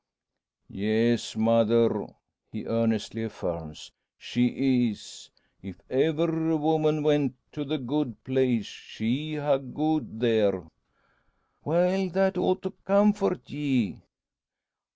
"Yes, mother!" he earnestly affirms, "she is. If ever woman went to the good place, she ha' goed there." "Well, that ought to comfort ye."